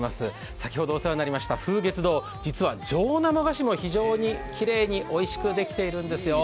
先ほどお世話になりました風月堂、実は上生菓子も非常にきれいにおいしくできているんですよ。